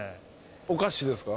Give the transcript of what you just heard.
お菓子ですか？